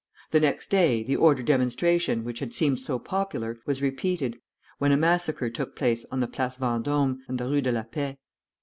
The next day, the order demonstration, which had seemed so popular, was repeated, when a massacre took place on the Place Vendome and the Rue de la Paix.